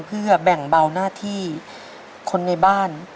เพื่อแบ่งเบาหน้าที่คนในบ้าน